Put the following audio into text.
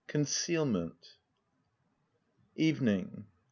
CONCEALMENT. Evening.